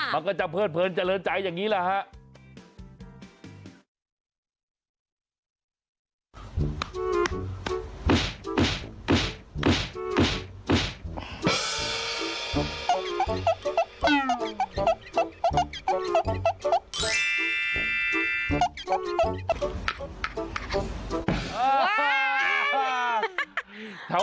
มันก็จะเพลินเจริญใจอย่างนี้ละฮะ